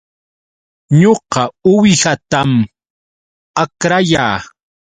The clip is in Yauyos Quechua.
Ñuqa uwihatam akrayaa